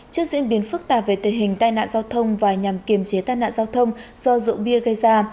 trước diễn biến phức tạp về tình hình tai nạn giao thông và nhằm kiềm chế tai nạn giao thông do rượu bia gây ra